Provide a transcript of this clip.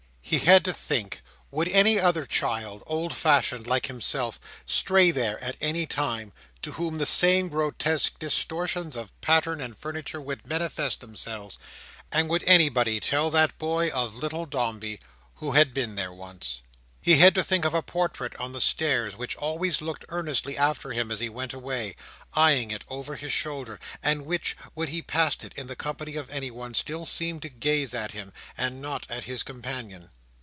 He had to think—would any other child (old fashioned, like himself) stray there at any time, to whom the same grotesque distortions of pattern and furniture would manifest themselves; and would anybody tell that boy of little Dombey, who had been there once? He had to think of a portrait on the stairs, which always looked earnestly after him as he went away, eyeing it over his shoulder; and which, when he passed it in the company of anyone, still seemed to gaze at him, and not at his companion.